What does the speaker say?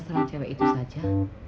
salah cewek itu saja